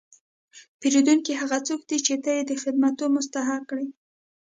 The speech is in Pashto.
پیرودونکی هغه څوک دی چې ته یې د خدمتو مستحق کړې.